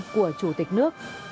của chủ tịch nước